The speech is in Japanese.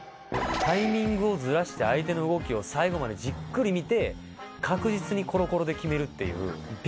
タイミングをずらして相手の動きを最後までじっくり見て確実にコロコロで決めるっていう。